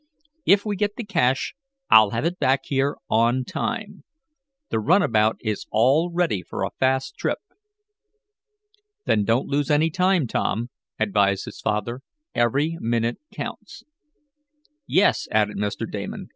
"If we get the cash I'll have it back here on time. The runabout is all ready for a fast trip." "Then don't lose any time, Tom," advised his father. "Every minute counts." "Yes," added Mr. Damon.